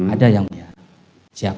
ada yang mulia